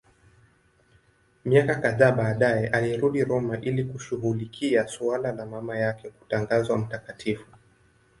Miaka kadhaa baadaye alirudi Roma ili kushughulikia suala la mama yake kutangazwa mtakatifu.